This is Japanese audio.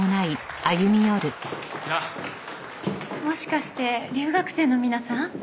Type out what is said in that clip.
もしかして留学生の皆さん？